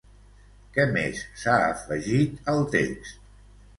Què més s'ha afegit al text?